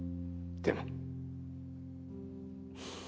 でも。